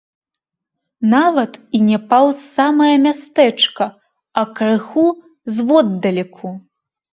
Нават і не паўз самае мястэчка, а крыху зводдалеку.